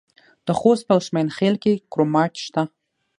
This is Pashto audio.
د خوست په اسماعیل خیل کې کرومایټ شته.